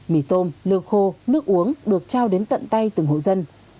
mì tôm lương khô nước uống được trao đến tận tay từng hộ dân